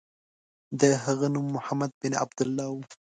د هغه نوم محمد بن عبدالله و.